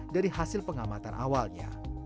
dari hasil pengamatan awalnya